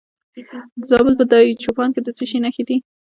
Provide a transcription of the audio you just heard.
د زابل په دایچوپان کې د څه شي نښې دي؟